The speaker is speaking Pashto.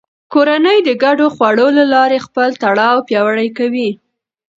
کورنۍ د ګډو خوړو له لارې خپل تړاو پیاوړی کوي